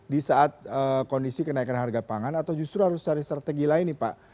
di saat kondisi kenaikan harga pangan atau justru harus cari strategi lain nih pak